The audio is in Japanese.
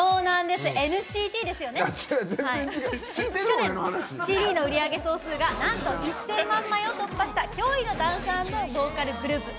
去年ＣＤの売り上げ総数がなんと１，０００万枚を突破した驚異のダンス＆ボーカルグループ。